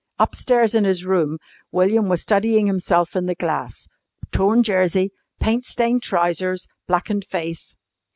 Upstairs in his room William was studying himself in the glass torn jersey, paint stained trousers, blackened face.